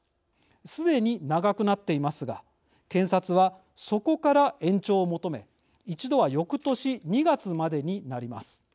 すでに長くなっていますが検察はそこから延長を求め一度は翌年２月までになります。